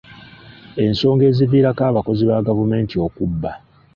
Ensonga eziviirako abakozi ba gavumenti okubba.